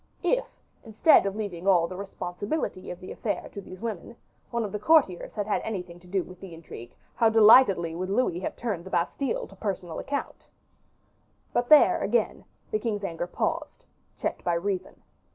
If, instead of leaving all the responsibility of the affair to these women, one of the courtiers had had anything to do with the intrigue, how delightedly would Louis have seized the opportunity of turning the Bastile to personal account. But there, again, the king's anger paused, checked by reason.